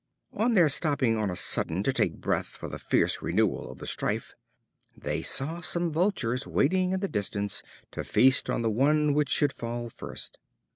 On their stopping on a sudden to take breath for the fiercer renewal of the strife, they saw some Vultures waiting in the distance to feast on the one which should fall first.